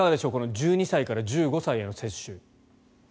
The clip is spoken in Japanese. １２歳から１５歳への接種。